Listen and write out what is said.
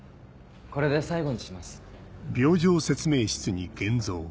これで最後にします。